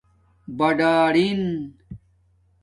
بڑرنݣ